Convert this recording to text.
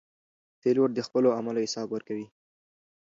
پیلوټ د خپلو عملو حساب ورکوي.